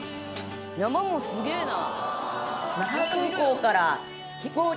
山もすげぇな！